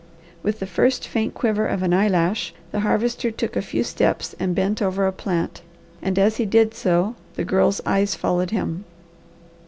With the first faint quiver of an eyelash the Harvester took a few steps and bent over a plant, and as he did so the Girl's eyes followed him.